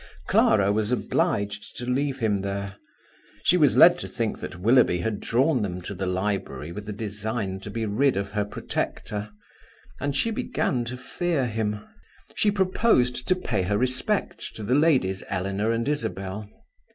Clara was obliged to leave him there. She was led to think that Willoughby had drawn them to the library with the design to be rid of her protector, and she began to fear him. She proposed to pay her respects to the ladies Eleanor and Isabel.